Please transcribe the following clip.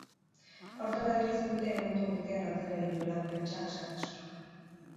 Aurten adierazi dute mundu guztian atzera egin duela prentsa askatasunak.